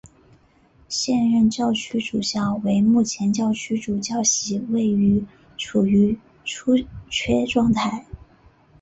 现任教区主教为目前教区主教席位处于出缺状态。